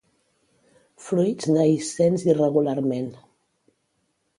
Fruits dehiscents irregularment.